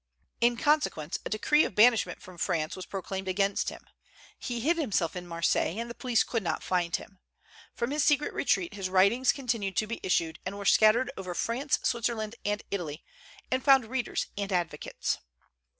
In consequence, a decree of banishment from France was proclaimed against him. He hid himself in Marseilles, and the police could not find him. From his secret retreat his writings continued to be issued, and were scattered over France, Switzerland, and Italy, and found readers and advocates.